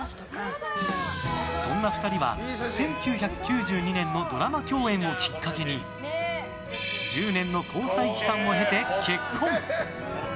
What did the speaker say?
そんな２人は１９９２年のドラマ共演をきっかけに１０年の交際期間を経て結婚。